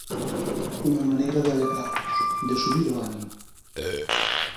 Unha maneira de alegrarnos, de subir o ánimo.